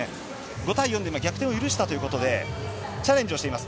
５対４で逆転をゆるしたということでチャレンジしています。